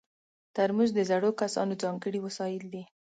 ترموز د زړو کسانو ځانګړی وسایل دي.